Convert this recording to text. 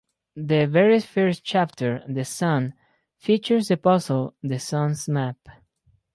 The very first chapter, "The Sun", features the puzzle "The Sun's Map".